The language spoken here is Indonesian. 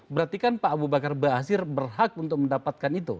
berarti kan pak abu bakar basir berhak untuk mendapatkan itu